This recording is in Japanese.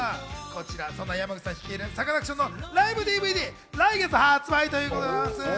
山口さん率いるサカナクションのライブＤＶＤ、来月発売ということです。